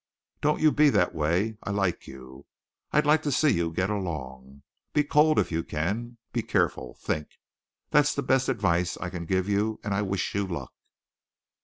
Don't you be that way. I like you. I'd like to see you get along. Be cold if you can. Be careful. Think. That's the best advice I can give you, and I wish you luck."